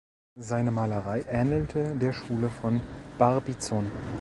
Seine Malerei ähnelte der Schule von Barbizon.